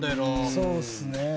そうですね。